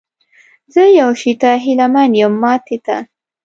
زه یو شي ته هیله من یم، ماتې ته؟